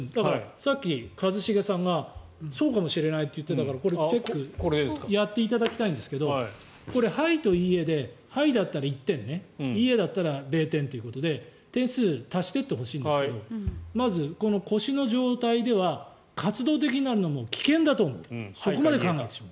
さっき、一茂さんがそうかもしれないって言ってたからこれ、チェックやっていただきたいんですがはいといいえではいだったら１点いいえだったら０点ということで点数を足していってほしいんですけどまず、この腰の状態では活動的になるのは危険だと思うとそこまで考えてしまう。